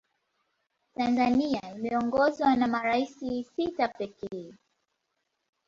tanzania imeongozwa na maraisi sita pekee